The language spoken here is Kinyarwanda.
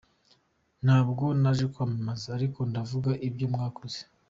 Ntabwo naje kumwamamaza ariko ndavuga ibyo mwakoze.